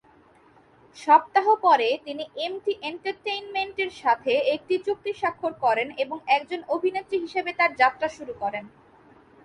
সপ্তাহ পরে তিনি এমটি এন্টারটেইনমেন্ট এর সাথে একটি চুক্তি স্বাক্ষর করেন এবং একজন অভিনেত্রী হিসাবে তার যাত্রা শুরু করেন।